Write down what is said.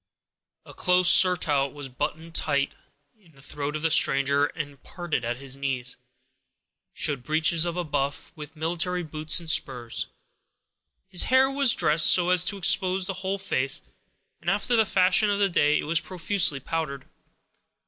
A close surtout was buttoned high in the throat of the stranger, and parting at his knees, showed breeches of buff, with military boots and spurs. His hair was dressed so as to expose the whole face; and, after the fashion of that day, it was profusely powdered.